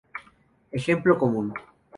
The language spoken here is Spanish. Ejemplo común.